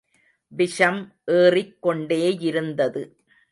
விஷம் ஏறிக் கொண்டேயிருந்தது.